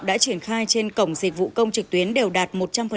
đã triển khai trên cổng dịch vụ công trực tuyến đều đạt một trăm linh